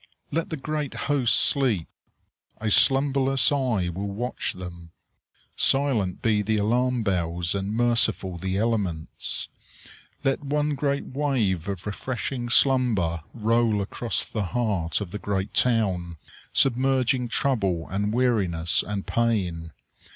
Let the great hosts sleep! A slumberless Eye will watch them. Silent be the alarm bells and merciful the elements! Let one great wave of refreshing slumber roll across the heart of the great town, submerging trouble and weariness and pain.